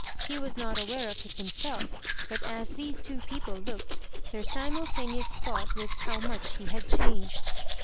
He was not aware of it himself, but as these two people looked, their simultaneous thought Tjras how much he had changed.